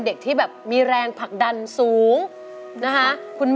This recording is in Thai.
ด้วยความแปลกการเตรียม